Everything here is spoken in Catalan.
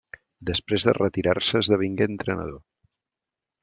Després de retirar-se esdevingué entrenador.